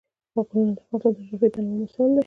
غرونه د افغانستان د جغرافیوي تنوع مثال دی.